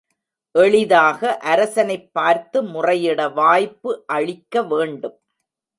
எளிதாக அரசனைப் பார்த்து முறையிட வாய்ப்பு அளிக்க வேண்டும்.